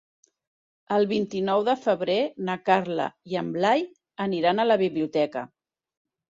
El vint-i-nou de febrer na Carla i en Blai aniran a la biblioteca.